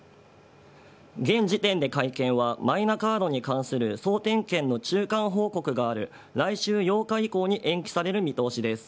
現時点で会見はマイナカードに関する総点検の中間報告がある来週８日以降に延期される見通しです。